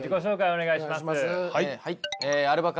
お願いします。